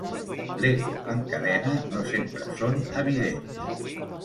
L'eco en cadena no sempre són evidents.